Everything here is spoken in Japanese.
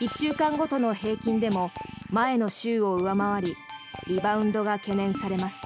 １週間ごとの平均でも前の週を上回りリバウンドが懸念されます。